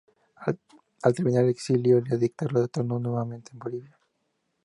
Al terminar el exilio y la dictadura retornó nuevamente a Bolivia.